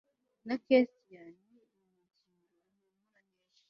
na kesiya n urubingo ruhumura neza